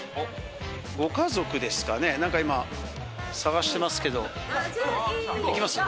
ご家族ですかね、なんか今、探してますけど、いきます？